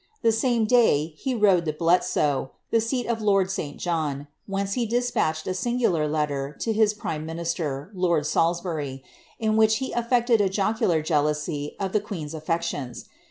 The same day, he rode to Bietsoe, the seat of lord St. John, whence he despatched a singular letter to his prime minister, lord Salisbury, in which he affected a Jocular jealousy of the queen's aflectioiis.